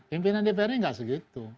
pimpinan dprnya tidak segitu